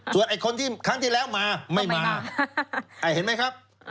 ส่วนไอ้คนที่ครั้งที่แล้วมาไม่มาเห็นไหมครับ